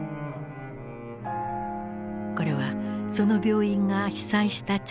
これはその病院が被災した直後の映像。